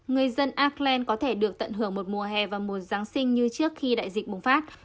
người dân iceland có thể được tận hưởng một mùa hè và mùa giáng sinh như trước khi đại dịch bùng phát